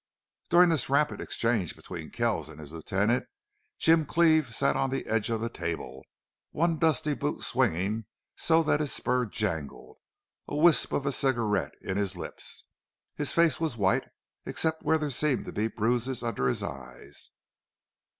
During this rapid exchange between Kells and his lieutenant, Jim Cleve sat on the edge of the table, one dusty boot swinging so that his spur jangled, a wisp of a cigarette in his lips. His face was white except where there seemed to be bruises under his eyes.